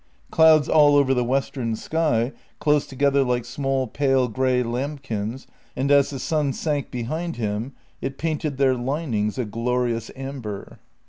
Clouds all over the western sky, close together like small pale grey lambkins, and as the sun sank behind him it painted their linings a glorious amber.